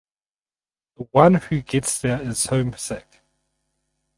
The one who gets there is homesick.